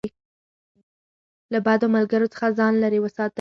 له بدو ملګرو څخه ځان لېرې وساتئ.